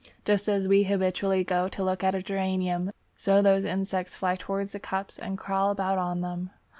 Just as we habitually go to look at a geranium, so those insects fly towards the cups and crawl about on them.